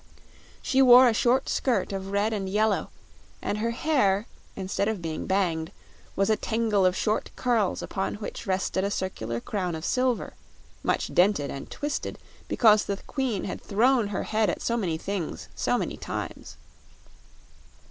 She wore a short skirt of red and yellow and her hair, instead of being banged, was a tangle of short curls upon which rested a circular crown of silver much dented and twisted because the Queen had thrown her head at so many things so many times.